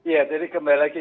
ya jadi kembali lagi